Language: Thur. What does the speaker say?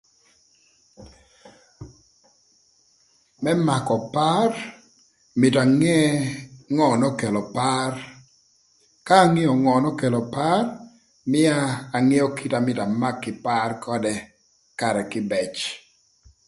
Më makö par mïtö ange ngö n'okelo par, ka angeo ngö n'okelo par, mïa angeo kite amyero amak kï par ködë karë kïbëc.